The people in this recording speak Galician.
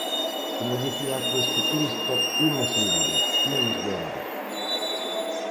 Como dicía aquel ciclista, "imos indo, imos vendo".